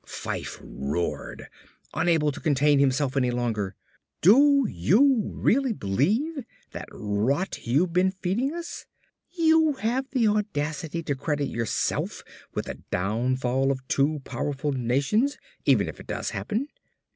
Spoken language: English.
Fyfe roared, unable to contain himself any longer: "Do you really believe that rot you've been feeding us? You have the audacity to credit yourself with the downfall of two powerful nations, even if it does happen?